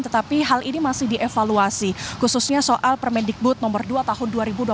tetapi hal ini masih dievaluasi khususnya soal permendikbud nomor dua tahun dua ribu dua puluh